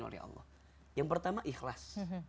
oleh allah yang pertama ikhlas